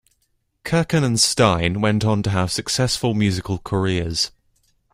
Kirchen and Stein went on to have successful musical careers.